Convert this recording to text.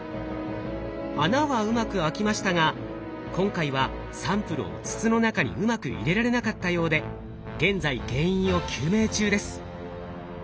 穴はうまく開きましたが今回はサンプルを筒の中にうまく入れられなかったようで現在原因を究明中です。